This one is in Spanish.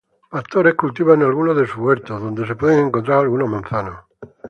Pastores cultivan algunos de sus huertos, donde se pueden encontrar algunos manzanos.